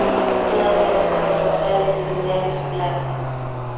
Todas las hojas basales, lineares, planas.